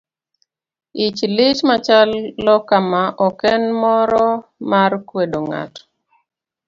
Ich lit machalo kama ok en moro mar kwedo ng'ato.